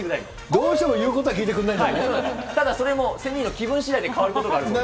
どうしてもいうことは聞いてただそれも、仙人の気分しだいで変わることがあるそうです。